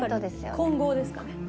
混合ですかね？